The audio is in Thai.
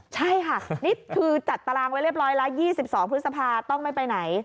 ใช่ค่ะนี่คือจัดตารางไว้เรียบร้อยละ๒๒พฤษภาต้องไม่ไปไหน